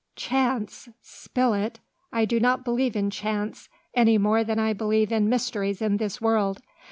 "Chance! Spilett! I do not believe in chance, any more than I believe in mysteries in this world.